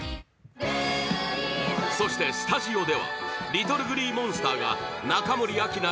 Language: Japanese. そして、スタジオではＬｉｔｔｌｅＧｌｅｅＭｏｎｓｔｅｒが中森明菜